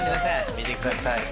見てください。